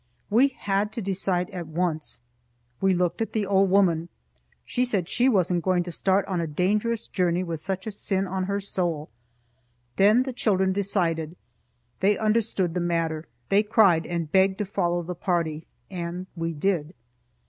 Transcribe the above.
We had to decide at once. We looked at the old woman. She said she wasn't going to start on a dangerous journey with such a sin on her soul. Then the children decided. They understood the matter. They cried and begged to follow the party. And we did.